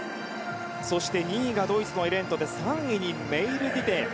そして２位がドイツのエレントで３位にメイルティテ。